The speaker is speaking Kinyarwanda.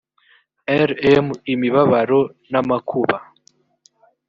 rm imibabaro n amakuba